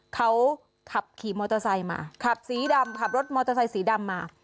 เขาขับขี่มอเตอร์ไซค์มาขับสีดำขับรถมอเตอร์ไซค์สีดำมา